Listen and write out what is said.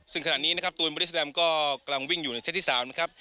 ซึ่งขณะนี้นะครับตูนบริสแลมก็กำลังวิ่งอยู่ในเซตที่๓นะครับ